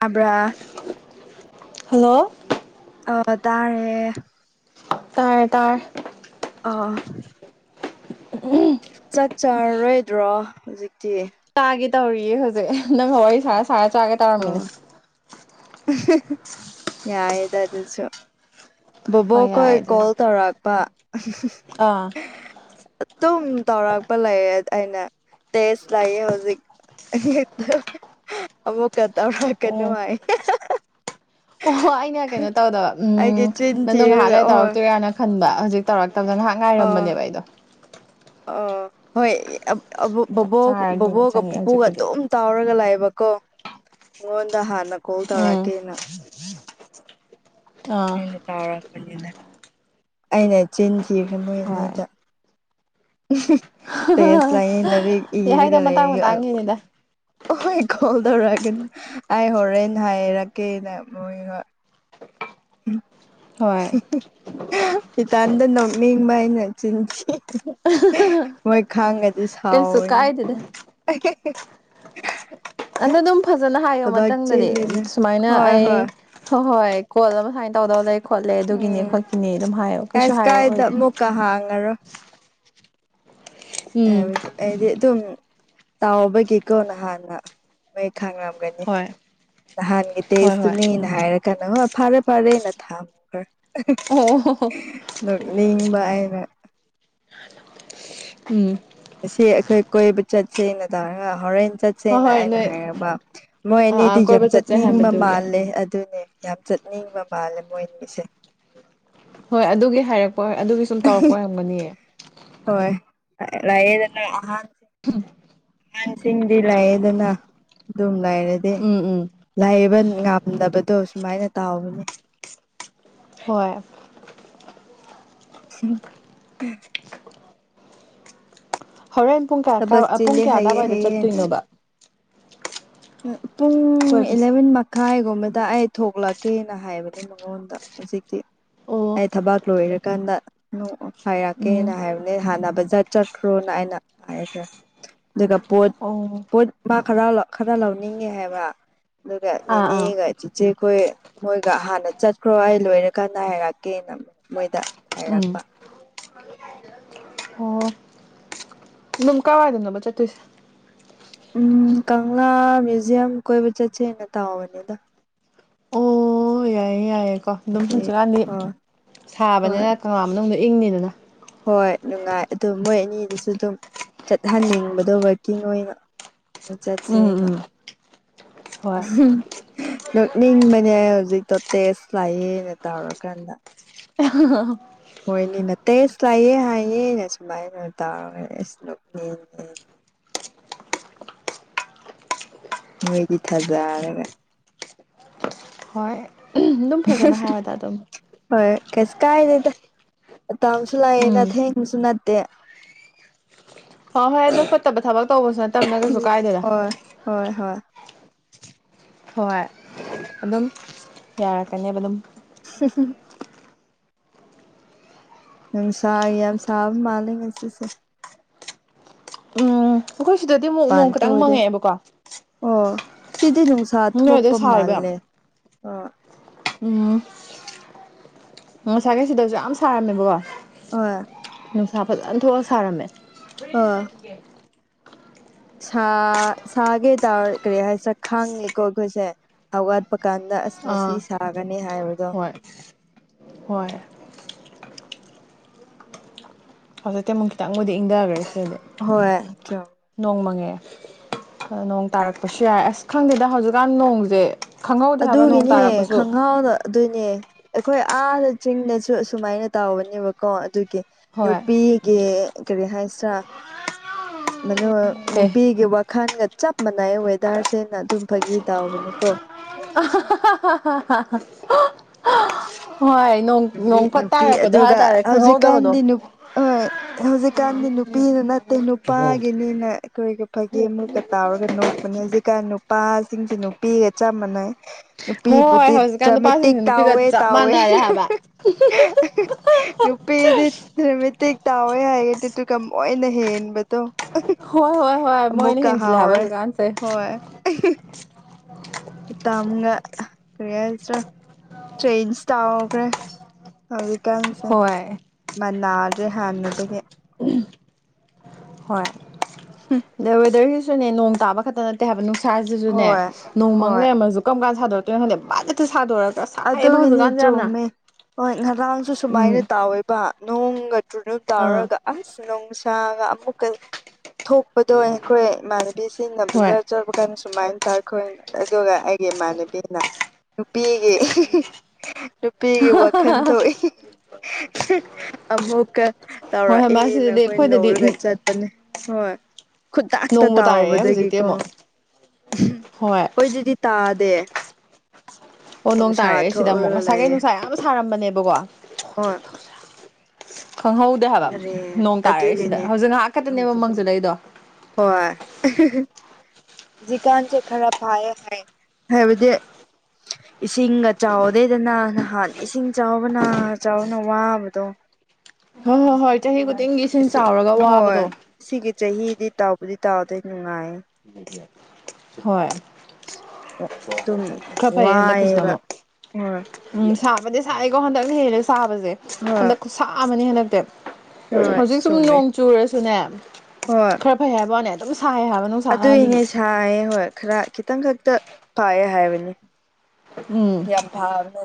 ꯑꯕ꯭ꯔꯥ hello ꯑꯣ ꯇꯥꯔꯦ ꯇꯥꯔꯦ ꯇꯥꯔꯦ ꯑꯥ ꯑꯍꯝ ꯆꯥꯛ ꯆꯥꯔꯔꯣꯏꯗ꯭ꯔꯣ ꯍꯧꯖꯤꯛꯇꯤ ꯆꯥꯒꯦ ꯇꯧꯔꯤꯌꯦ ꯍꯧꯖꯤꯛ ꯅꯪ ꯋꯥꯔꯤ ꯁꯥꯔ ꯁꯥꯔ ꯆꯥꯒꯦ ꯇꯧꯔꯝꯃꯤꯅꯦ ꯌꯥꯌꯦꯗ ꯑꯗꯨꯁꯨ ꯍꯣꯏ ꯕꯣꯕꯣꯛꯈꯣꯏ ꯌꯥꯏ ꯑꯗꯨꯁꯨ ꯀꯣꯜ ꯇꯧꯔꯛꯄ ꯑꯥ ꯑꯗꯨꯝ ꯇꯧꯔꯛꯄ ꯂꯩꯔꯦ ꯑꯩꯅ ꯇꯦꯖ ꯂꯩꯌꯦ ꯍꯧꯖꯤꯛ ꯍꯠꯇ ꯑꯃꯨꯛꯀ ꯇꯧꯔꯛꯀꯅꯨ ꯑꯣ ꯍꯥꯏ ꯑꯣ ꯍꯣ ꯑꯩꯅ ꯀꯩꯅꯣ ꯇꯧꯗꯕ ꯎꯝ ꯑꯩꯒꯤ ꯆꯤꯟ ꯅꯪꯗꯣ ꯉꯥꯏꯍꯥꯛ ꯊꯤꯔꯒ ꯂꯩ ꯍꯣꯏ ꯇꯧꯔꯛꯇꯣꯏꯔꯥꯅ ꯈꯟꯕ ꯍꯧꯖꯤꯛ ꯇꯧꯔꯛꯇꯕ ꯉꯥꯍꯥꯛ ꯑꯥ ꯑꯥ ꯍꯣꯏ ꯆꯥꯛ ꯕꯣꯛ ꯆꯥꯔꯒꯦꯅ ꯕꯣꯛꯒ ꯆꯪꯉꯛꯑꯦ ꯄꯨꯄꯨꯒ ꯍꯧꯖꯤꯛꯄꯨꯗꯤ ꯑꯗꯨꯝ ꯇꯧꯔꯒ ꯂꯩꯕꯀꯣ ꯅꯪꯉꯣꯟꯗ ꯍꯥꯟꯅ ꯀꯣꯜ ꯎꯝ ꯇꯧꯔꯛꯀꯦꯅ ꯑꯥ ꯇꯧꯔꯛꯄꯅꯤꯗ ꯑꯩꯅ ꯆꯤꯟ ꯊꯤꯈ꯭ꯔꯦ ꯃꯣꯏ ꯍꯣꯏ ꯑꯅꯤꯗ ꯇꯦꯁ ꯂꯩꯌꯦ ꯂꯥꯏꯔꯤꯛ ꯌꯥꯏꯗ ꯏꯔꯒ ꯃꯇꯥꯡ ꯂꯩꯌꯦ ꯃꯇꯥꯡꯒꯤꯅꯤꯗ ꯍꯣꯏ ꯀꯣꯜ ꯇꯧꯔꯛꯒꯅꯨ ꯑꯩ ꯍꯣꯔꯦꯟ ꯍꯥꯏꯔꯛꯀꯦꯅ ꯃꯣꯏ ꯍꯣꯏ ꯎꯝ ꯍꯣꯏ ꯏꯊꯟꯗ ꯅꯣꯛꯅꯤꯡꯕ ꯑꯩꯅ ꯆꯤꯟꯊꯤ ꯃꯣꯏ ꯈꯪꯉꯗꯤ ꯀꯩꯁꯨ ꯀꯥꯏꯗꯦꯗ ꯁꯥꯎꯔꯅꯤꯀꯣ ꯑꯗꯨ ꯑꯗꯨꯝ ꯐꯥꯖꯅ ꯍꯥꯏꯌꯣ ꯃꯊꯪꯗꯗꯤ ꯁꯨꯃꯥꯏꯅ ꯍꯣꯏ ꯑꯩ ꯍꯣꯏ ꯍꯣꯏ ꯍꯣꯏ ꯀꯣꯜ ꯑꯃ ꯁꯨꯃꯥꯏꯅ ꯇꯧꯗꯧ ꯂꯩ ꯈꯣꯠꯂꯦ ꯑꯗꯨꯒꯤꯅꯦ ꯎꯝ ꯈꯣꯠꯀꯤꯅꯤ ꯑꯗꯨꯝ ꯍꯥꯏꯌꯣ ꯀꯩꯁꯨ ꯍꯥꯏꯔꯛꯑꯣꯏꯗ ꯀ ꯍꯥꯡꯉꯔꯣ ꯎꯝ ꯍꯥꯏꯕꯗꯤ ꯑꯩꯗꯤ ꯑꯗꯨꯝ ꯇꯥꯎꯕꯒꯤꯀꯣ ꯅꯍꯥꯟꯅ ꯅꯣꯏ ꯈꯪꯔꯝ ꯒꯅꯤ ꯍꯣꯏ ꯅꯍꯥꯟꯒꯤ ꯍꯣꯏ ꯍꯣꯏ ꯇꯦꯁꯇꯨꯅꯦꯅ ꯍꯥꯏꯔꯀꯥꯟꯗ ꯐꯥꯔꯦ ꯐꯥꯔꯦ ꯅ ꯊꯥꯝꯈ꯭ꯔꯦ ꯑꯣ ꯅꯣꯛ ꯅꯤꯡꯕ ꯑꯩꯅ ꯎꯝ ꯑꯁꯤ ꯑꯩꯈꯣꯏ ꯀꯣꯏꯕ ꯆꯠꯁꯦꯅ ꯇꯧꯔꯒ ꯍꯣꯔꯦꯟ ꯆꯠ ꯍꯣꯏ ꯁꯦꯅ ꯍꯣꯏ ꯑꯩꯅ ꯅꯣꯏ ꯍꯥꯏꯔꯝꯕ ꯃꯣꯏ ꯑꯥ ꯑꯥ ꯑꯅꯤꯗꯤ ꯌꯥꯝ ꯀꯣꯏꯕ ꯆꯠꯁꯦ ꯆꯠꯅꯤꯡꯕ ꯍꯥꯏꯕꯗꯨꯒꯤ ꯃꯥꯜꯂꯦ ꯑꯗꯨꯅꯦ ꯌꯥꯝ ꯆꯠꯅꯤꯡꯕ ꯃꯥꯜꯂꯦ ꯃꯣꯏ ꯑꯅꯤꯁꯦ ꯍꯣꯏ ꯑꯗꯨꯒꯤ ꯍꯥꯏꯔꯛꯄ ꯑꯗꯨꯒꯤ ꯁꯨꯝ ꯇꯧꯔꯛꯄ ꯑꯣꯏꯔꯝꯒꯅꯤꯌꯦ ꯍꯣꯏ ꯂꯩꯌꯦꯗꯅ ꯑꯍꯥꯟ ꯑꯍꯟꯁꯤꯡꯗꯤ ꯂꯩꯌꯦꯗꯅ ꯑꯗꯨꯝ ꯂꯩꯥꯔꯗꯤ ꯎꯝ ꯎꯝ ꯂꯩꯕ ꯉꯝꯗꯕꯗꯣ ꯁꯨꯃꯥꯏꯅ ꯇꯥꯎꯕꯅꯦ ꯍꯣꯏ [unintelligible] ꯍꯣꯔꯦꯟ ꯄꯨꯡ ꯊꯕꯛ ꯀꯌꯥ ꯄꯨꯡ ꯆꯤꯜꯂꯦ ꯀꯌꯥ ꯍꯩꯌꯦ ꯑꯗꯨꯋꯥꯏꯗ ꯍꯩꯌꯦꯅ ꯆꯠꯇꯣꯏꯅꯣꯕ ꯄꯨꯡ ꯀꯣꯏꯕꯁꯦ ꯏꯂꯕꯦꯟ ꯃꯛ ꯈꯥꯏꯒꯨꯝꯕꯗ ꯑꯩ ꯊꯣꯛꯂꯛꯀꯦꯅ ꯍꯥꯏꯕꯅꯦ ꯃꯉꯣꯟꯗ ꯍꯧꯖꯤꯛꯇꯤ ꯑꯣ ꯑꯩ ꯊꯕꯥꯛ ꯂꯣꯏꯔꯀꯥꯟꯗ ꯅꯣꯡꯃ ꯎꯝ ꯍꯥꯏꯔꯛꯀꯦꯅ ꯍꯥꯏꯕꯅꯦ ꯍꯥꯟꯅ ꯕꯖꯥꯔ ꯆꯠꯈ꯭ꯔꯣꯅ ꯑꯩꯅ ꯍꯥꯏꯈ꯭ꯔꯦ ꯑꯗꯨꯒ ꯄꯣꯠ ꯑꯣ ꯄꯣꯠ ꯃꯥ ꯈꯔ ꯈꯔ ꯂꯧꯅꯤꯡꯉꯦ ꯍꯥꯏꯕ ꯑꯗꯨꯒ ꯑꯥ ꯑꯥ ꯅꯦꯅꯦꯒ ꯆꯤꯆꯦꯈꯣꯏ ꯃꯣꯏꯒ ꯍꯥꯟꯅ ꯆꯠꯈ꯭ꯔꯣ ꯑꯩ ꯂꯣꯏꯔꯀꯥꯟꯗ ꯍꯥꯏꯔꯛꯀꯦꯅ ꯃꯣꯏꯗ ꯎꯝ ꯍꯥꯏꯔꯛꯄ ꯑꯣ ꯑꯗꯨꯝ ꯀꯥꯏꯋꯥꯏꯗꯅꯣꯕ ꯆꯠꯇꯣꯏꯁꯦ ꯎꯝ ꯀꯪꯂꯥ ꯃ꯭ꯌꯨꯖꯤꯌꯝ ꯀꯣꯏꯕ ꯆꯠꯁꯦꯅ ꯇꯥꯎꯕꯅꯤꯗ ꯑꯣ ꯌꯥꯏꯌꯦ ꯌꯥꯏꯌꯦꯀꯣ ꯑꯗꯨꯝ ꯃꯁꯤ ꯍꯧꯖꯤꯛꯀꯥꯟꯗꯤ ꯑꯣ ꯍꯣꯏ ꯁꯥꯕꯅꯤꯅ ꯀꯪꯂꯥ ꯃꯅꯨꯡꯗ ꯏꯪꯅꯤꯗꯅ ꯍꯣꯏ ꯅꯨꯡꯉꯥꯏ ꯑꯗꯨ ꯃꯣꯏ ꯑꯅꯤꯗꯨꯁꯨ ꯑꯗꯨꯝ ꯆꯠꯍꯟꯅꯤꯡꯕꯗꯣ ꯋꯔꯀꯤꯡ ꯑꯣꯏꯅ ꯎꯝ ꯆꯠꯁꯦꯅ ꯎꯝ ꯍꯣꯏ ꯅꯣꯛꯅꯤꯡꯕꯅꯦ ꯍꯧꯖꯤꯛꯇꯣ ꯇꯦꯁ ꯂꯥꯛꯑꯦꯅ ꯇꯧꯔꯀꯥꯟꯗ [unintelligible] ꯃꯣꯏꯅꯤꯅ ꯇꯦꯁ ꯂꯥꯛꯑꯦ ꯍꯥꯏꯌꯦ ꯑꯩꯅ ꯁꯨꯃꯥꯏꯅ ꯇꯧꯔꯒ ꯑꯁ [unintelligible] ꯅꯣꯏꯗꯤ ꯊꯥꯖꯔꯒ ꯍꯣꯏ ꯑꯗꯨꯝ ꯐꯖꯅ ꯍꯥꯏꯌꯨꯗ ꯑꯗꯨꯝ ꯍꯣꯏ ꯀꯩꯁꯨ ꯀꯥꯏꯗꯦꯗ ꯃꯇꯝꯁꯨ ꯂꯥꯛꯑꯦꯅꯥ ꯊꯦꯡꯕꯁꯨ ꯅꯠꯇꯦ ꯍꯣ ꯍꯣꯏ ꯑꯗꯨ ꯐꯠꯇꯕ ꯊꯕꯛ ꯇꯧꯕꯁꯨ ꯅꯠꯇꯝꯅꯤꯅ ꯀꯩꯁꯨ ꯀꯥꯏꯗꯦ ꯍꯣꯏ ꯍꯣꯏ ꯍꯣꯏ ꯍꯣꯏ ꯑꯗꯨꯝ ꯌꯥꯔꯛꯀꯅꯦꯕ ꯑꯗꯨꯝ [unintelligible] ꯅꯨꯡꯁꯥ ꯌꯥꯝ ꯁꯥꯕ ꯃꯥꯜꯂꯤ ꯉꯁꯤꯁꯦ ꯎꯝ ꯑꯩꯈꯣꯏ ꯁꯤꯗꯗꯤ ꯑꯃꯨꯛ ꯃꯄꯥꯟ ꯅꯣꯡ ꯈꯤꯇꯪ ꯊꯣꯛꯎꯗꯦ ꯃꯪꯉꯛꯑꯦꯕꯀꯣ ꯑꯣ ꯁꯤꯗꯤ ꯅꯨꯡꯁꯥ ꯅꯣꯏꯗ ꯊꯣꯛꯄ ꯁꯥꯔꯤꯕ ꯌꯥꯝ ꯃꯥꯜꯂꯦ ꯑꯣ ꯎꯝ ꯉꯁꯥꯏꯒꯩ ꯁꯤꯗꯖꯨ ꯌꯥꯝ ꯁꯥꯔꯝꯃꯦꯕꯀꯣ ꯑꯣꯏ ꯅꯨꯡꯁꯥ ꯐꯖꯅ ꯊꯣꯛꯑ ꯁꯥꯔꯝꯃꯦ ꯑꯥ [unintelligible] ꯁꯥ ꯁꯥꯒꯦ [unintelligible] ꯀꯔꯤ ꯍꯥꯏꯁꯤꯔꯥ ꯈꯪꯉꯦꯀꯣ ꯑꯩꯈꯣꯏꯁꯦ ꯍꯧꯒꯠꯄ ꯀꯥꯟꯗ ꯑꯁ ꯉꯁꯤ ꯑꯥ ꯁꯥꯒꯅꯤ ꯍꯥꯏꯕꯗꯣ ꯍꯣꯏ ꯍꯣꯏ ꯍꯧꯖꯤꯛꯇꯤ ꯑꯃꯨꯛ ꯈꯤꯇꯪꯕꯨꯗꯤ ꯏꯪꯗꯒ꯭ꯔꯦ ꯍꯣꯏ [unintelligible] ꯅꯣꯡ ꯃꯪꯉꯦ ꯑꯗ ꯅꯣꯡ ꯇꯥꯔꯛꯄꯁꯨ ꯌꯥꯏ ꯑꯁ ꯈꯪꯗꯦꯗ ꯍꯧꯖꯤꯛꯀꯥꯟ ꯅꯣꯡꯖꯦ ꯑꯗꯨꯒꯤꯅꯦ ꯈꯪꯍꯥꯎꯗ ꯑꯗꯨꯅꯦ ꯑꯩꯈꯣꯏ ꯑꯥꯗ ꯆꯤꯡꯗꯁꯨ ꯑꯁꯨꯃꯥꯏꯅ ꯇꯥꯎꯕꯅꯦꯕꯀꯣ ꯑꯗꯨ ꯍꯣꯏ ꯅꯨꯄꯤꯒꯤ ꯀꯔꯤ ꯍꯥꯏꯁꯤꯔꯥ ꯃꯅꯨ ꯑꯦ ꯅꯨꯄꯤꯒꯤ ꯋꯥꯈꯟꯒ ꯆꯞ ꯃꯥꯟꯅꯩ ꯋꯦꯗꯔꯁꯦꯅ ꯑꯗꯨꯝ ꯐꯥꯒꯤ ꯇꯧꯕꯅꯤꯀꯨ [unintelligible] [unintelligible] ꯍꯣꯏ ꯅꯣꯡ ꯅꯨꯄꯤ ꯅꯣꯡ ꯐꯠ ꯅꯨꯄꯤ ꯇꯥꯔꯛꯄꯗꯣ ꯑꯗꯨꯒ ꯍꯥꯏꯇꯥꯔꯦ ꯈꯪꯍꯧꯗꯕꯗꯣ ꯍꯧꯖꯤꯛꯀꯥꯟꯗꯤ ꯅꯨ ꯍꯣꯏ ꯍꯧꯖꯤꯛꯀꯥꯟꯗꯤ ꯅꯨꯄꯤꯅ ꯅꯠꯇꯦ ꯅꯨꯄꯥꯒꯤꯅꯤꯅ ꯗꯨꯏꯗꯤ ꯐꯥꯒꯤ ꯑꯃꯨꯛꯀ ꯇꯧꯔꯥꯒ ꯅꯣꯛꯄꯅꯦ ꯍꯧꯖꯤꯛꯀꯥꯟ ꯅꯨꯄꯥꯁꯤꯡꯁꯤ ꯅꯨꯄꯤꯒ ꯆꯞ ꯃꯟꯅꯩ [inaudible] ꯍꯣꯏ ꯍꯧꯖꯤꯛꯀꯥꯟ ꯅꯨꯄꯥꯁꯤꯡꯁꯤ ꯅꯨꯄꯤꯒ ꯆꯞ ꯇꯥꯎꯋꯦ ꯃꯥꯟꯅꯔꯦ ꯍꯥꯏꯕ [unintelligible] ꯅꯨꯄꯤꯗꯤ [unintelligible] ꯇꯥꯎꯋꯦ ꯍꯥꯏꯌꯦ ꯑꯗꯨꯗꯨꯒ ꯃꯣꯏꯅ ꯍꯦꯟꯕꯗꯣ ꯍꯣꯏ ꯍꯣꯏ ꯍꯣꯏ [unintelligible] ꯃꯣꯏꯅ ꯑꯃꯨꯛꯇ ꯍꯦꯟꯖꯤꯜꯂꯦ ꯍꯥꯏꯕ ꯍꯥꯎꯔꯦ ꯍꯧꯖꯤꯛꯀꯥꯟꯁꯦ ꯍꯣꯏ [unintelligible] ꯎꯇꯝꯒ ꯀ꯭ꯔꯤ ꯍꯥꯏꯁꯤꯔ [unintelligible] ꯇꯧꯈ꯭ꯔꯦ ꯍꯧꯖꯤꯛꯀꯥꯟꯁꯦ ꯍꯣꯏ ꯃꯥꯟꯅꯗ꯭ꯔꯦ ꯍꯥꯟꯅꯗꯒꯤ ꯍꯣꯏ [unintelligible] ꯑꯗ ꯋꯦꯗꯔꯒꯤꯁꯨꯅꯦ ꯅꯣꯡ ꯇꯥꯕ ꯈꯠꯇ ꯅꯠ [unintelligible] ꯍꯥꯏꯕ ꯅꯨꯡꯁꯥꯁꯤꯖꯨꯅꯦ ꯍꯣꯏ ꯅꯣꯡꯃꯪ ꯍꯣꯏ ꯂꯩꯔꯃꯖꯨ ꯀꯔꯝ ꯀꯥꯟꯅ ꯁꯥꯗꯣꯔꯛ ꯇꯣꯏꯅꯣ ꯈꯪꯗꯦ ꯐꯠ ꯍꯦꯛꯇ ꯁꯥꯗꯣꯔꯛ ꯑꯗꯨꯒꯤꯅꯤ ꯆꯨꯝꯃꯦ ꯍꯣꯏ ꯉꯔꯥꯡꯁꯨ ꯁꯨꯃꯥꯏꯅ ꯎꯝ ꯇꯥꯎꯋꯦꯕ ꯅꯣꯡꯒ ꯆꯨ [unintelligible] ꯑꯥ ꯇꯧꯔꯒ ꯑꯁ ꯅꯨꯡꯁꯥꯒ ꯑꯃꯨꯛꯀ ꯊꯣꯛꯄꯗꯣ ꯑꯩꯈꯣꯏ ꯏꯃꯥꯟꯅꯕꯤ ꯁꯤꯡꯅ ꯍꯣꯏ ꯕꯖꯥꯔ ꯆꯠ ꯀꯥꯟ ꯁꯨꯃꯥꯏꯅ ꯇꯧꯔꯦ ꯈꯣꯢ ꯑꯗꯨꯒ ꯑꯩꯒꯤ ꯏꯃꯥꯟꯅꯕꯤꯅ ꯅꯨꯄꯤꯒꯤ ꯅꯨꯄꯤꯒꯤ ꯋꯥꯈꯟ ꯊꯣꯛꯏ [unintelligible] ꯑꯃꯨꯛꯀ ꯍꯣꯏ ꯍꯣꯏ ꯇꯧꯔꯛꯑꯦꯅ ꯃꯥꯁꯤꯗꯗꯤ ꯑꯈꯣꯏ ꯑꯩꯈꯣꯏꯗꯗꯤ ꯅꯧꯔꯒ ꯆꯠꯄꯅꯦ ꯍꯣꯏ ꯈꯨꯗꯥꯛꯇ ꯅꯣꯡꯕꯨ ꯇꯥꯔꯛꯑꯦ ꯍꯧꯖꯤꯛꯇꯤ ꯇꯥꯎꯕꯗꯒꯤꯀꯣ ꯑꯃꯨꯛ [unintelligible] ꯑꯩ ꯍꯣꯏ ꯈꯣꯢꯗꯗꯤ ꯇꯥꯗꯦ ꯑꯣ ꯅꯣꯡ ꯅꯨꯡꯁꯥ ꯇꯥꯔꯛꯑꯦ ꯁꯤꯗ ꯑꯃꯨꯛ ꯊꯣꯛꯎꯔꯒ ꯉꯁꯥꯏꯒꯩ ꯂꯩꯌꯦ ꯅꯨꯡꯁꯥ ꯌꯥꯝ ꯁꯥꯔꯝꯕꯅꯦꯕꯀꯣ ꯍꯣꯏ ꯈꯪꯍꯧꯗꯦ ꯍꯥꯏꯕ ꯑꯔꯦ ꯅꯣꯡ ꯇꯥꯔꯛꯑꯦ ꯁꯤꯗ ꯑꯗꯨꯒꯤꯅꯦ ꯍꯧꯖꯤꯛ ꯉꯥꯍꯥꯛ ꯈꯛꯇꯅꯦꯕ ꯃꯪꯖꯤꯜꯂꯛꯢꯗꯣ ꯍꯣꯏ [unintelligible] ꯍꯧꯖꯤꯛ ꯀꯥꯟꯖꯦ ꯈꯔ ꯐꯥꯏꯌꯦ ꯍꯥꯏ ꯍꯥꯢꯕꯗꯤ ꯏꯁꯤꯡꯒ ꯆꯥꯎꯗꯦꯗꯅ ꯅꯍꯥꯟ ꯏꯁꯤꯡ ꯆꯥꯎꯕꯅ ꯆꯥꯎꯕꯅ ꯋꯥꯕꯗꯣ ꯍꯣ ꯍꯣꯏ ꯍꯣꯏ ꯆꯍꯤ ꯈꯨꯗꯤꯡꯒꯤ ꯏꯁꯤꯡ ꯑꯁꯤ ꯆꯥꯎꯔꯒ ꯍꯣꯏ ꯋꯥꯕꯗꯣ ꯁꯤꯒꯤ ꯆꯍꯤꯗꯤ ꯇꯥꯎꯕꯨꯗꯤ ꯇꯥꯎꯗꯦ ꯅꯨꯡꯉꯥꯏꯌꯦ [unintelligible] ꯍꯣꯏ ꯑꯗꯨꯝ [unintelligible] ꯈꯔ ꯐꯩꯌꯦ ꯍꯟꯗꯛ ꯀꯤꯁꯤꯅ ꯋꯥꯏꯑꯦꯕ ꯑꯃꯨꯛ ꯍꯣꯏ ꯎꯝ ꯁꯥꯕꯗꯤ ꯁꯥꯌꯦꯀꯣ ꯍꯟꯗꯛ ꯍꯦꯟꯂꯦꯀꯣ ꯁꯥꯕꯖꯦ ꯍꯣꯏ ꯍꯟꯗꯛ ꯈꯨꯁꯥ ꯑꯃꯅꯦ ꯍꯟꯗꯛꯇꯤ ꯍꯣꯏ ꯍꯧꯖꯤꯛ ꯁꯨꯝ ꯆꯨꯝꯃꯦ ꯅꯣꯡ ꯆꯨꯔꯁꯨꯅꯦ ꯍꯣꯏ ꯈꯔ ꯐꯩ ꯍꯥꯏꯕ ꯋꯥꯅꯦ ꯑꯗꯨꯝ ꯁꯥꯏ ꯍꯥꯏ ꯑꯗꯨꯏꯅꯦ ꯁꯥꯏꯌꯦ ꯍꯣꯏ ꯈꯔ ꯈꯤꯇꯪ ꯈꯛꯇ ꯐꯌꯦ ꯍꯥꯏꯕꯅꯤ ꯎꯝ ꯌꯥꯝ ꯐꯥꯕꯅꯦ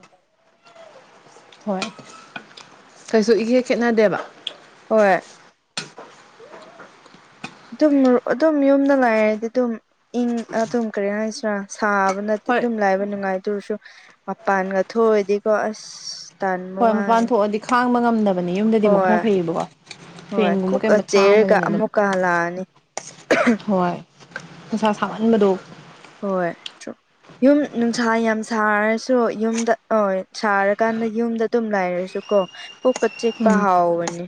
ꯍꯣꯏ [unintelligible] ꯀꯩꯁꯨ ꯏꯈꯦꯠ ꯈꯦꯠꯅꯗꯦꯕ ꯍꯣꯏ ꯑꯗꯨꯝ ꯑꯗꯨꯝ ꯌꯨꯝꯗ ꯂꯩꯔꯗꯤ ꯑꯗꯨꯝ ꯏꯪ ꯑꯗꯨꯝ ꯀꯔꯤ ꯍꯥꯏꯁꯤꯔꯥ ꯁꯥꯕꯅ ꯍꯣꯏ ꯑꯗꯨꯝ ꯂꯥꯏꯕ ꯅꯨꯡꯉꯥꯏ ꯗꯨꯑꯣꯏꯔꯁꯨ ꯃꯄꯥꯟꯒ ꯊꯣꯛ ꯑꯗꯤꯀꯣ ꯑꯁ ꯇꯟꯕ ꯍꯣꯏ ꯋꯥꯅꯦ ꯃꯄꯥꯟ ꯊꯣꯛꯑꯗꯤ ꯈꯥꯡꯕ ꯉꯝꯗꯕꯅꯤ ꯌꯨꯝꯗꯗꯤ ꯑꯃꯨꯛ ꯈꯔ ꯐꯩꯌꯦꯕꯀꯣ ꯍꯣꯏ ꯐꯦꯟꯒꯨꯝꯕ ꯀꯣꯛ ꯀ ꯀꯩꯒꯨꯝꯕ ꯆꯤꯛꯔꯒ ꯊꯥꯕꯅꯤꯅ ꯑꯗꯨꯝ ꯑꯃꯨꯛꯀ ꯍꯜꯂꯥꯛꯑꯅꯤ ꯍꯣꯏ ꯅꯨꯡꯁꯥ ꯁꯥꯃꯟꯕꯗꯣ ꯍꯣꯏ [unintelligible] ꯌꯨꯝ ꯅꯨꯡꯁꯥ ꯌꯥꯝ ꯁꯥꯔꯁꯨ ꯌꯨꯝꯗ ꯍꯣꯢ ꯁꯥꯔꯀꯥꯟꯗ ꯌꯨꯝꯗ ꯑꯗꯨꯝ ꯂꯥꯏꯔꯁꯨ ꯀꯣ ꯀꯣꯛꯀ ꯆꯤꯛꯄ ꯎꯝ ꯍꯧꯕꯅꯦ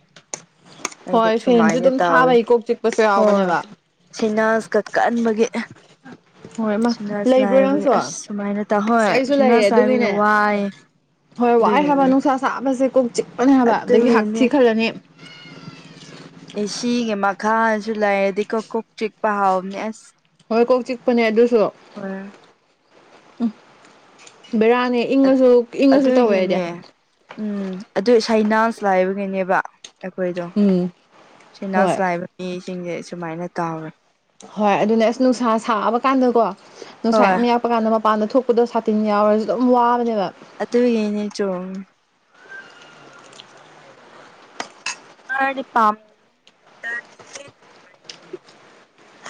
ꯑꯩꯗꯤ ꯍꯣꯏ ꯐꯦꯟꯁꯨ ꯁꯨꯃꯥꯏꯅ ꯑꯗꯨꯝ ꯇꯧꯋꯦ ꯊꯥꯕꯩ ꯀꯣꯛ ꯆꯤꯛꯄꯁꯨ ꯍꯣꯏ ꯌꯥꯎꯕꯅꯦꯕ ꯁꯤꯅꯁ ꯀ ꯀꯟꯕꯒꯤ ꯍꯣꯏ ꯃꯥ ꯁꯤꯅꯁ ꯂꯩꯕ꯭ꯔꯣ ꯂꯥꯏꯕꯒꯤ ꯅꯪꯁꯨ ꯑꯁ ꯁꯨꯃꯥꯏꯅ ꯇꯧꯍꯣꯏ ꯑꯩꯁꯨ ꯂꯩꯌꯦ ꯁꯤꯅꯁ ꯂꯥꯏꯕꯒꯤ ꯑꯗꯨꯒꯤꯅꯦ ꯋꯥꯏ ꯍꯣꯏ ꯋꯥꯏ ꯍꯥꯏꯕ ꯑꯗꯨꯒꯤꯅꯦ ꯅꯨꯡꯁꯥ ꯁꯥꯕꯁꯦ ꯀꯣꯛ ꯆꯤꯛꯄꯅꯦ ꯍꯥꯢꯕ ꯑꯗꯒꯤ ꯑꯗꯨꯒꯤꯅꯦ ꯍꯛꯊꯤ ꯈꯜꯂꯅꯤ ꯑꯦ ꯁꯤ ꯒꯤ ꯃꯈꯥꯖꯨ ꯂꯩꯔꯗꯤ ꯀꯣ ꯀꯣꯛ ꯆꯤꯛꯄ ꯍꯧꯕꯅꯦ ꯑꯁ ꯍꯣꯏ ꯀꯣꯛ ꯆꯤꯛꯄꯅꯦ ꯑꯗꯨꯁꯨ ꯍꯣꯢ ꯕꯤꯔꯥꯅꯤ ꯏꯪꯉꯁꯨ ꯏꯪꯉꯁꯨ ꯇꯧꯋꯦ ꯑꯩꯗꯤ ꯑꯗꯨꯒꯤꯅꯦ ꯎꯝ ꯑꯗꯨ ꯁꯥꯢꯅꯥꯁ ꯂꯥꯢꯕꯒꯤꯅꯦꯕ ꯑꯩꯈꯣꯢꯗꯣ ꯎꯝ ꯁꯦꯟꯅꯥ ꯍꯣꯏ ꯁꯂꯩꯔꯗꯤ ꯏꯁꯤꯡꯖꯦ ꯁꯨꯃꯥꯢꯅ ꯇꯥꯎꯔ ꯍꯣꯏ ꯑꯗꯨꯅꯦ ꯑꯁ ꯅꯨꯡꯁꯥ ꯁꯥꯕ ꯀꯥꯟꯗꯀꯣ ꯅꯨꯡꯁꯥ ꯍꯣꯏ ꯌꯥꯝ ꯌꯥꯛ ꯇꯣꯉꯥꯟꯗ ꯃꯄꯥꯟꯗ ꯊꯣꯛꯄꯗꯣ ꯁꯥꯇꯤꯟ ꯌꯥꯎꯔꯖꯨ ꯑꯗꯨꯝ ꯋꯥꯕꯅꯦꯕ ꯑꯗꯨꯢꯅꯤꯅꯦ ꯆꯣ ꯈꯔꯗꯤ ꯄꯝ ꯇꯥ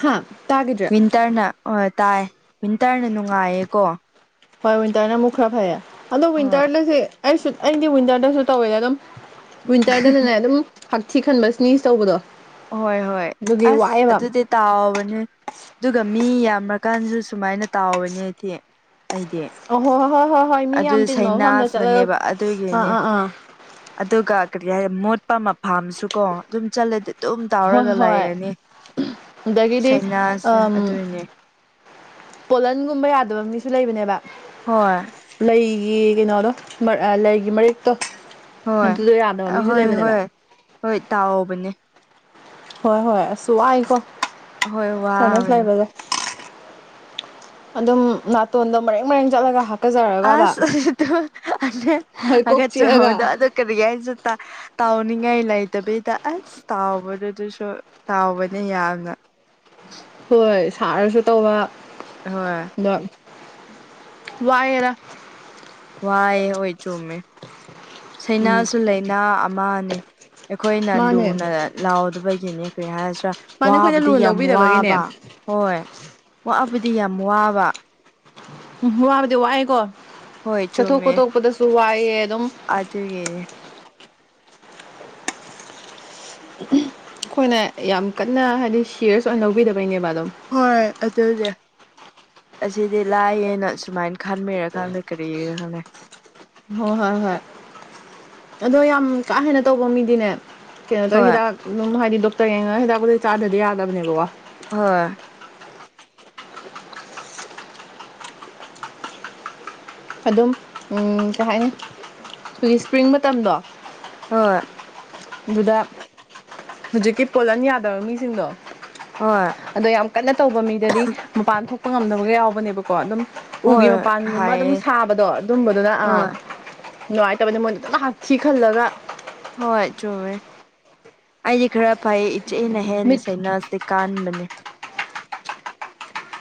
ꯍꯥ ꯇꯥꯒꯤꯗ꯭ꯔꯦ ꯗ꯭ꯔꯅ ꯍꯣꯢ ꯇꯥꯢ ꯋꯤꯟꯇ꯭ꯔꯅ ꯅꯨꯡꯉꯥꯏꯌꯦꯀꯣ ꯍꯣꯢ ꯋꯤꯟꯇ꯭ꯔꯅ ꯑꯃꯨꯛ ꯈꯔ ꯐꯩꯌꯦ ꯑꯗꯣ ꯍꯣꯏ ꯋꯤꯟꯇ꯭ꯔꯅꯁꯦ ꯑꯩꯁꯨ ꯑꯩꯗꯤ ꯋꯤꯟꯇ꯭ꯔꯗꯁꯨ ꯇꯧꯋꯦ ꯑꯗꯨꯝ ꯋꯤꯟꯇ꯭ꯔꯗꯅꯅꯦ ꯑꯗꯨꯝ ꯍꯛꯊꯤ ꯈꯟꯕ ꯁ꯭ꯅꯤꯁ ꯇꯧꯕꯗꯣ ꯍꯣꯢ ꯍꯣꯢ ꯑꯗꯨꯒꯤ ꯑꯁ ꯋꯥꯏꯑꯦꯕ ꯑꯗꯨꯗꯤ ꯇꯥꯎꯔꯅꯤ ꯑꯗꯨꯒ ꯃꯤ ꯌꯥꯝꯃ ꯀꯥꯟꯖꯨ ꯁꯨꯃꯥꯢꯅ ꯇꯥꯎꯔꯅꯤ ꯑꯩꯗꯤ ꯑꯩꯗꯤ ꯑꯍꯣꯢ ꯍꯣꯢ ꯍꯣꯢ ꯍꯣꯢ ꯃꯤ ꯌꯥꯝ ꯑꯗꯨ ꯇꯤꯟꯕ ꯃꯐꯝꯗ ꯆꯠꯂꯒ ꯁꯩꯅꯥꯁꯤꯅꯅꯦꯕ ꯑꯥ ꯑꯗꯨꯒꯤꯅꯦ ꯑꯥ ꯑꯥ ꯑꯗꯨꯒ ꯀꯔꯤ ꯍꯥꯢꯌꯦ ꯃꯣꯠꯄ ꯃꯐꯝꯁꯨ ꯀꯣ ꯑꯗꯨꯝ ꯆꯠꯂꯗꯤ ꯑꯗꯨꯝ ꯍꯣꯏ ꯇꯥꯎꯔꯒ ꯍꯣꯏ ꯂꯥꯢꯔꯅꯤ ꯑꯗꯒꯤꯗꯤ ꯁꯥꯢꯅꯥꯁ ꯑꯝ ꯑꯗꯨꯢꯅꯦ ꯄꯣꯂꯟꯒꯨꯝꯕ ꯌꯥꯗꯕ ꯃꯤꯁꯨ ꯂꯩꯕꯅꯦꯕ ꯍꯣꯏ ꯂꯩꯒꯤ ꯀꯩꯅꯣꯗꯣ ꯃ ꯑ ꯂꯩꯒꯤ ꯃꯔꯤꯛꯇꯣ ꯑꯗꯨꯗꯣ ꯌꯥꯗꯕ ꯃꯤꯖꯨ ꯂꯩꯕꯅꯦꯕ ꯍꯣꯢ ꯇꯥꯎꯕꯅꯦ ꯍꯣꯢ ꯍꯣꯢ ꯑꯁꯨ ꯋꯥꯢꯀꯣ ꯍꯣꯏ ꯁꯥꯢꯅꯁ ꯋꯥꯕꯅꯦ ꯂꯩꯕꯒ ꯑꯗꯨꯝ ꯅꯥꯇꯣꯟꯗꯣ ꯃꯔꯦꯡ ꯃꯔꯦꯡ ꯆꯠꯂꯒ ꯍꯥ ꯑꯁ ꯑꯗꯨꯣ ꯍꯣꯏ ꯀꯣꯛ ꯆꯤꯛꯑꯒ ꯍꯒꯠꯆꯕꯗꯣ ꯑꯗꯨ ꯀꯔꯤ ꯍꯥꯏꯖꯨ ꯇ ꯇꯥꯎꯅꯤꯡꯉꯥꯏ ꯂꯩꯇꯕꯤꯗ ꯑꯁ ꯇꯥꯎꯕꯗꯨꯁꯨ ꯇꯥꯎꯕꯅꯦ ꯌꯥꯝꯅ ꯍꯣꯏ ꯁꯥꯔꯁꯨ ꯇꯧꯕ ꯍꯣꯏ ꯑꯗꯣ ꯋꯥꯢꯌꯦꯗ ꯋꯥꯏꯌꯦ ꯍꯣꯏ ꯆꯨꯝꯃꯤ ꯎꯝ ꯁꯩꯅꯥꯁꯨ ꯂꯩꯥꯅꯥ ꯑꯃꯅꯤ ꯑꯩꯈꯣꯏꯅ ꯃꯥꯅꯦ ꯂꯨꯅ ꯂꯧꯗꯕꯒꯤꯅꯤ ꯀꯔꯤ ꯍꯥꯢꯔꯁꯤꯔꯥ ꯃꯥꯅꯦ ꯑꯩꯈꯣꯏꯅ ꯋꯥꯕꯗꯤ ꯂꯨꯅ ꯌꯥꯝ ꯋꯥꯕ ꯂꯧꯕꯤꯗꯕꯒꯤꯅꯦ ꯍꯣꯢ ꯋꯥꯕꯗꯤ ꯌꯥꯝ ꯋꯥꯕ ꯎꯝ ꯋꯥꯕꯗꯤ ꯋꯥꯢꯌꯦꯀꯣ ꯍꯣꯏ ꯆꯠꯊꯣꯛ ꯈꯣꯊꯣꯛꯄꯗꯁꯨ ꯋꯥꯢꯌꯦ ꯑꯗꯨꯝ ꯑꯗꯨꯒꯤ ꯑꯩꯈꯣꯏꯅ ꯌꯥꯝ ꯀꯟꯅ ꯍꯥꯏꯗꯤ ꯁꯤꯔꯁ ꯑꯣꯏꯅ ꯂꯧꯕꯤꯗꯕꯩꯅꯦꯕ ꯑꯗꯨꯝ ꯍꯣꯢ ꯑꯗꯨꯗꯤ ꯑꯁꯤꯗꯤ ꯂꯥꯢꯌꯦꯅ ꯁꯨꯃꯥꯢ ꯈꯟꯕꯩꯔ ꯈꯟꯗ ꯀꯔꯤꯔ ꯈꯪꯅꯩ ꯍꯣꯢ ꯍꯣꯢ ꯍꯣꯢ ꯑꯗꯣ ꯌꯥꯝ ꯀꯥ ꯍꯦꯟꯅ ꯇꯧꯕ ꯃꯤꯗꯤꯅꯦ ꯀꯩꯅꯣꯗꯣ ꯍꯣꯏ ꯍꯤꯗꯥꯛ ꯑꯗꯨꯝ ꯍꯥꯢꯗꯤ ꯗꯣꯛꯇꯔ ꯌꯦꯡꯉꯒ ꯍꯤꯗꯥꯛ ꯒꯨꯂꯤ ꯆꯥꯗꯗꯤ ꯌꯥꯗꯕꯅꯦꯕꯀꯣ ꯍꯣꯢ ꯑꯗꯨꯝ ꯎꯝ ꯀꯩ ꯍꯥꯏꯅꯤ ꯑꯩꯈꯣꯏꯒꯤ ꯁꯄ꯭ꯔꯤꯡ ꯃꯇꯝꯗꯣ ꯍꯣꯏ ꯑꯗꯨꯗ ꯍꯧꯖꯤꯛꯀꯤ ꯄꯣꯂꯟ ꯌꯥꯗꯕ ꯃꯤꯁꯤꯡꯗꯣ ꯍꯣꯏ ꯑꯗꯣ ꯌꯥꯝ ꯀꯟꯅ ꯇꯧꯕ ꯃꯤꯗꯗꯤ ꯃꯄꯥꯟ ꯊꯣꯛꯄ ꯉꯝꯗꯕꯒ ꯌꯥꯎꯕꯅꯦꯕ ꯀꯣ ꯑꯗꯨꯝ ꯎꯒꯤ ꯍꯣꯏ ꯃꯄꯥꯟꯒꯨꯝꯕ ꯑꯗꯨꯝ ꯍꯥꯏꯌꯦ ꯁꯥꯕꯗꯣ ꯑꯗꯨꯝꯕꯗꯨꯅ ꯑꯥ ꯍꯣꯏ ꯅꯨꯡꯉꯥꯏꯇꯕꯅ ꯃꯣꯏꯗ ꯑꯗꯨꯝ ꯍꯛꯊꯤ ꯈꯜꯂꯒ ꯍꯣꯏ ꯆꯨꯝꯃꯦ ꯑꯩꯗꯤ ꯈꯔ ꯐꯩ ꯏꯆꯦꯅ ꯍꯦꯟꯅ ꯃꯤꯠ ꯁꯦꯅꯁꯇꯤ ꯀꯥꯟꯕꯅꯦ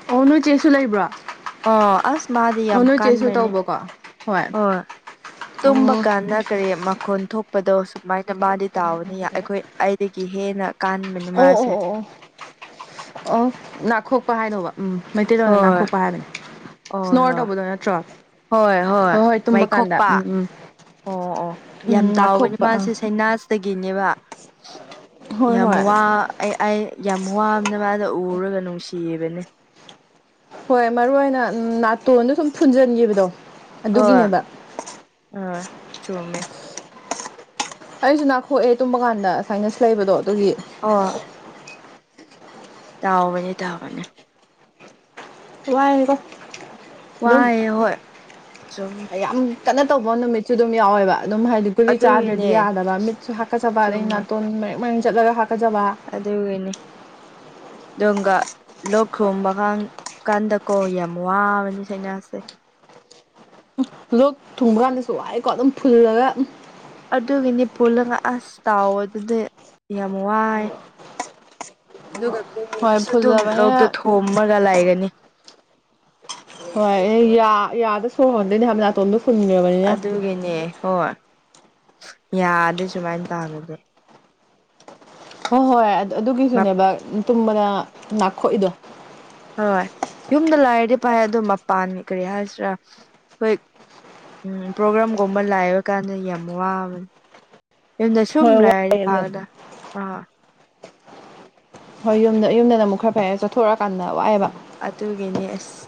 ꯑꯣ ꯅꯣꯏ ꯆꯦꯁꯨ ꯂꯩꯕ꯭ꯔꯣ ꯑꯣ ꯑꯁ ꯃꯥꯗꯤ ꯑꯣ ꯌꯥꯝ ꯅꯣꯏ ꯆꯦꯁꯨ ꯀꯥꯟꯕꯅꯦ ꯇꯧꯕꯀꯣ ꯍꯣꯏ ꯑꯣ ꯇꯨꯝꯕ ꯀꯥꯟꯗ ꯀꯔꯤ ꯃꯈꯣꯟ ꯊꯣꯛ ꯗꯣ ꯁꯨꯃꯥꯏꯅ ꯃꯥꯗꯤ ꯇꯥꯎꯕꯅꯤ ꯑꯩꯈꯣꯏ ꯑꯩꯗꯒꯤ ꯍꯦꯟꯅ ꯀꯥꯟꯕꯅꯤ ꯑꯣ ꯑꯣ ꯃꯥꯁꯦ ꯑꯣ ꯑꯣ ꯑꯣ ꯅꯥꯈꯣꯛꯄ ꯍꯥꯏꯗꯧꯕ ꯎꯝ ꯃꯩꯇꯩꯂꯣꯟꯅ ꯍꯣꯏ ꯅꯥꯈꯣꯛꯄ ꯍꯥꯏꯕꯅꯦ ꯍꯣꯏ ꯏꯁꯅꯣꯔ ꯍꯣꯏ ꯇꯧꯕꯗꯣ ꯅꯠꯇ꯭ꯔꯣ ꯍꯣꯏ ꯍꯣꯏ ꯇꯨꯝꯕ ꯀꯥꯟꯗ ꯃꯥꯏꯈꯣꯛꯄ ꯎꯝ ꯎꯝ ꯑꯣ ꯑꯣ ꯌꯥꯝ ꯎꯝ ꯇꯧꯕꯅꯦ ꯅꯥꯈꯣꯛꯄ ꯑꯥ ꯃꯥꯁꯦ ꯁꯥꯏꯅꯥꯁꯇꯒꯤꯅꯦꯕ ꯍꯣꯏ ꯌꯥꯝ ꯍꯣꯏ ꯋꯥ ꯑꯩ ꯑꯩ ꯌꯥꯝ ꯋꯥꯕꯅ ꯑꯗꯨ ꯎꯔꯒ ꯅꯨꯡꯁꯤꯕꯅꯦ ꯍꯣꯏ ꯃꯔꯨ ꯑꯣꯏꯅ ꯅꯥꯇꯣꯟꯗꯣ ꯁꯨꯝ ꯐꯨꯟꯖꯟꯒꯤꯕꯗꯣ ꯍꯣꯏ ꯑꯗꯨꯒꯤꯅꯦꯕ ꯑꯥ ꯆꯨꯝꯃꯦ ꯑꯩꯁꯨ ꯅꯥꯈꯣꯛꯑꯦ ꯇꯨꯝꯕ ꯀꯥꯟꯗ ꯁꯥꯏꯅꯁ ꯂꯩꯕꯗꯣ ꯑꯗꯨꯒꯤ ꯑꯣ ꯇꯧꯕꯅꯦ ꯇꯧꯕꯅꯦ ꯋꯥꯏꯗꯥ ꯑꯗꯨꯝ ꯋꯥꯏꯑꯦ ꯍꯣꯏ ꯆꯨꯝꯃꯦ ꯌꯥꯝ ꯀꯟꯅ ꯇꯧꯕ ꯅꯨꯃꯤꯠꯁꯨ ꯑꯗꯨꯝ ꯌꯥꯎꯋꯦꯕ ꯑꯗꯨꯝ ꯍꯥꯏꯗꯤ ꯒꯨꯂꯤ ꯆꯥꯗ꯭ꯔꯗꯤ ꯑꯗꯨꯒꯤꯅꯦ ꯌꯥꯗꯕ ꯃꯤꯠꯁꯨ ꯍꯥꯀꯠꯆꯕ ꯑꯗꯩ ꯆꯨꯝꯃꯦ ꯅꯥꯇꯣꯟ ꯃꯔꯦꯡ ꯃꯔꯦꯡ ꯆꯠꯂꯒ ꯍꯥꯀꯠꯆꯕ ꯑꯗꯨꯒꯤꯅꯤ ꯗꯣꯡꯒꯥ ꯂꯣꯛ ꯈꯨꯝꯕ ꯀꯥꯟ ꯀꯥꯟꯗꯀꯣ ꯌꯥꯝ ꯋꯥꯕꯅꯦ ꯁꯥꯏꯅꯥꯁꯁꯦ ꯂꯣꯛ ꯊꯨꯡꯕ ꯀꯥꯟꯗꯁꯨ ꯋꯥꯏꯀꯣ ꯑꯗꯨꯝ ꯐꯨꯜꯂꯒ ꯑꯗꯨꯒꯤꯅꯤ ꯐꯨꯜꯂꯒ ꯑꯁ ꯇꯥꯎꯕꯗꯨꯗꯤ ꯌꯥꯝ ꯋꯥꯏ ꯑꯗꯨꯒ ꯍꯣꯏ ꯀꯨꯏꯅꯁꯨ ꯑꯗꯨꯝ ꯂꯣꯛꯇꯣ ꯐꯨꯜꯂꯕꯅꯤꯅ ꯊꯨꯝꯃꯒ ꯂꯩꯥꯒꯅꯤ ꯍꯣꯏ ꯌꯥ ꯌꯥꯗ ꯁꯣꯔ ꯍꯣꯟꯗꯣꯏꯅꯦ ꯍꯥꯏꯕ ꯅꯥꯇꯣꯟꯗꯣ ꯐꯨꯟꯒ꯭ꯔꯥꯕꯅꯦ ꯑꯗꯨꯒꯤꯅꯦ ꯍꯣꯏ ꯌꯥꯗ ꯁꯨꯃꯥꯏꯅ ꯇꯥꯒꯤꯕꯗꯣ ꯍꯣꯏ ꯍꯣꯏ ꯑꯗꯨꯒꯤꯖꯨꯅꯦꯕ ꯇꯨꯝꯕꯅ ꯅꯈꯣꯛꯏꯗꯣ ꯍꯣꯏ ꯌꯨꯝꯗ ꯂꯩꯔꯗꯤ ꯐꯥꯏ ꯑꯗꯨ ꯃꯄꯥꯟ ꯀꯔꯤ ꯍꯥꯏꯁꯤꯔ ꯈꯣꯏ ꯎꯝ ꯄ꯭ꯔꯣꯒ꯭ꯔꯥꯝꯒꯨꯝꯕ ꯂꯥꯛꯕ ꯀꯥꯟꯗ ꯌꯥꯝ ꯋꯥꯕꯅꯦ ꯌꯨꯝꯗ ꯁꯨꯝ ꯍꯣꯏ ꯂꯩꯔꯗꯤ ꯋꯥꯏꯌꯦ ꯑꯗꯨꯝ ꯄꯥꯒꯗ ꯑꯥ ꯍꯣꯏ ꯌꯨꯝꯗ ꯌꯨꯝꯗꯅ ꯑꯃꯨꯛ ꯈꯔ ꯐꯩ ꯆꯠꯊꯣꯔꯛꯑꯀꯥꯟꯗ ꯋꯥꯥꯛꯌꯦꯕ ꯑꯗꯨꯒꯤꯅꯦ ꯑꯁ